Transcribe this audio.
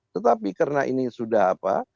tetapi karena ini sudah apa